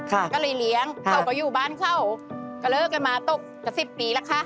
ก็เลยเลี้ยงเขาก็อยู่บ้านเขาก็เลิกกันมาตกกับสิบปีแล้วคะ